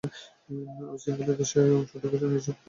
ঐ শৃঙ্খলের সেই অংশটুকু আমাদের নিজস্ব প্রকৃতি।